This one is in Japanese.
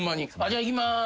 じゃあいきまーす。